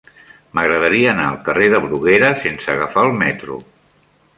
M'agradaria anar al carrer de Bruguera sense agafar el metro.